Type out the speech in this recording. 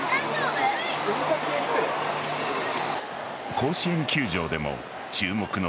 甲子園球場でも注目の